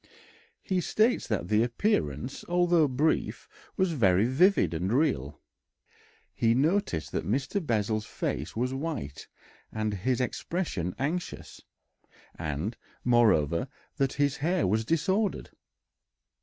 He states that the appearance, although brief, was very vivid and real. He noticed that Mr. Bessel's face was white and his expression anxious, and, moreover, that his hair was disordered.